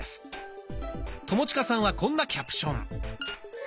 友近さんはこんなキャプション。